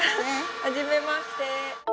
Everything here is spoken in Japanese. はじめまして。